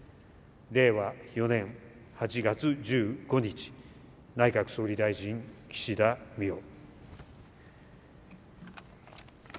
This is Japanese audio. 令和四年八月十五日内閣総理大臣岸田文雄。